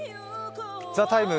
「ＴＨＥＴＩＭＥ，」